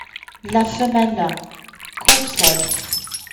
La femelle couve seule.